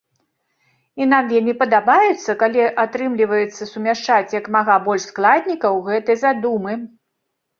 І нам вельмі падабаецца, калі атрымліваецца сумяшчаць як мага больш складнікаў гэтай задумы.